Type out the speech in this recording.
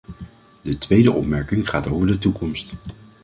De tweede opmerking gaat over de toekomst.